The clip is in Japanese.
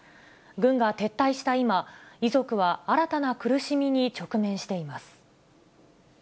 軍が撤退した今、遺族は新たな苦しみに直面しています。